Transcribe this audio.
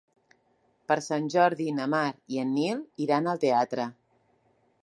Per Sant Jordi na Mar i en Nil iran al teatre.